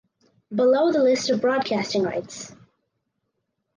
Below the list of broadcasting rights.